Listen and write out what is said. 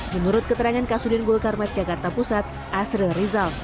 menurut keterangan kasudin gulkarmat jakarta pusat asril rizal